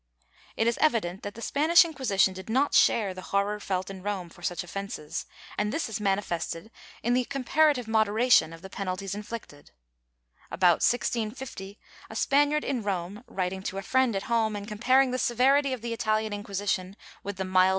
^ It is evident that the Spanish Inquisition did not share the horror felt in Rome for such offences, and this is manifested in the comparative moderation of the penalties inflicted. About 1650, a Spaniard in Rome, writing to a friend at home, and comparing the severity of the Italian Inquisition with the mildness of the 1 Royal Library of Munich, Cod. Ital.